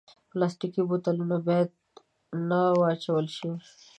پلاستيکي بوتلونه باید نه واچول شي.